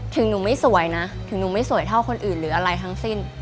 ถึงหนูไม่สวยนะถึงหนูไม่สวยเท่าคนอื่นหรืออะไรทั้งสิ้น